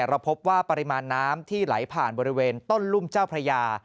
เราพบว่าปริมาณน้ำที่ไหลผ่านบริเวณต้นรุ่มเจ้าพระยา